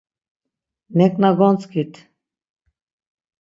“Neǩna gontzǩit!